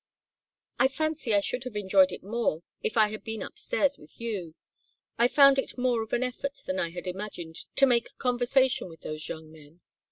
"I fancy I should have enjoyed it more if I had been up stairs with you. I found it more of an effort than I had imagined to make conversation with those young men.